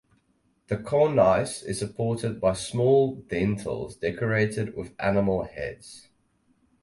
The cornice is supported by small dentils decorated with animal heads.